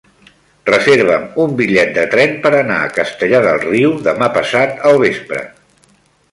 Reserva'm un bitllet de tren per anar a Castellar del Riu demà passat al vespre.